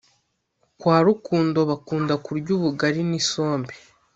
Kwa Rukundo bakunda kurya ubugari ni isombe